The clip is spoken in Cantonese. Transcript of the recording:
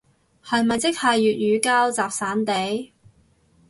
係咪即係粵語膠集散地